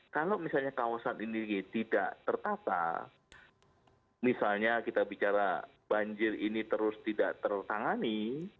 kalau misalnya kawasan ini tidak tertata misalnya kita bicara banjir ini terus tidak tertangani